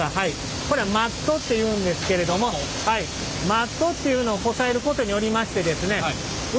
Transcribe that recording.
これはマットっていうんですけれどもマットっていうのをこさえることによりましてですね内